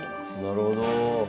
なるほど。